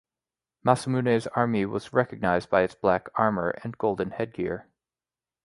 Masamune's army was recognized by its black armor and golden headgear.